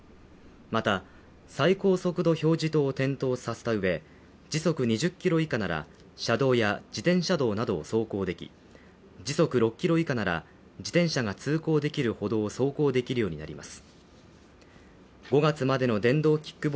また、最高速度表示灯を点灯させたうえ、時速２０キロ以下なら車道や自転車道などを走行でき時速６キロ以下なら自転車が通行できる歩道を走行できるようになります。